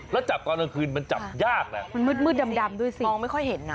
แล้วจับตอนกลางคืนมันจับยากนะมันมืดมืดดำด้วยสิมองไม่ค่อยเห็นนะ